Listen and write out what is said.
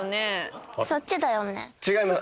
違います